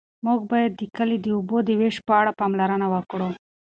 موږ باید د کلي د اوبو د وېش په اړه پاملرنه وکړو.